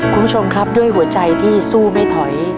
คุณผู้ชมครับด้วยหัวใจที่สู้ไม่ถอย